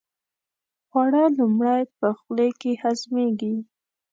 خواړه لومړی په خولې کې هضمېږي.